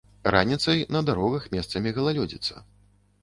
Раніцай на дарогах месцамі галалёдзіца.